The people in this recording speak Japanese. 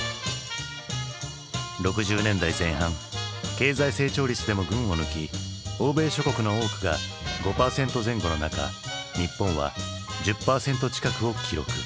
６０年代前半経済成長率でも群を抜き欧米諸国の多くが５％前後の中日本は１０％近くを記録。